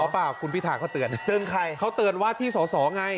เปล่าคุณพิธาเขาเตือนเตือนใครเขาเตือนว่าที่สอสอไง